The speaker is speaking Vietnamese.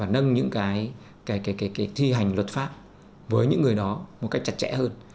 thì thi hành luật pháp với những người đó một cách chặt chẽ hơn